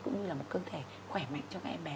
cũng như là một cơ thể khỏe mạnh cho các em bé